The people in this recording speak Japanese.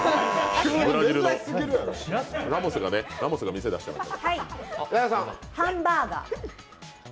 ラモスが店、出してました。